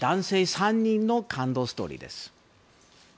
３人の感動ストーリーです。